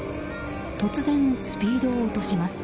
突然、スピードを落とします。